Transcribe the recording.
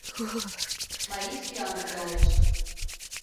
Марий сӱан кудалеш.